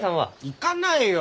行かないよ！